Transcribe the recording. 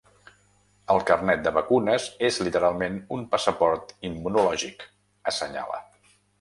El carnet de vacunes és literalment un passaport immunològic, assenyala.